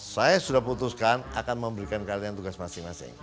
saya sudah putuskan akan memberikan kalian tugas masing masing